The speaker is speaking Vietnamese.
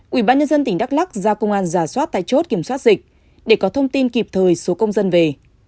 quỹ ban nhân dân tỉnh đắk lắc giao công an giả soát tại chốt kiểm soát dịch để có thông tin kịp thời số công dân về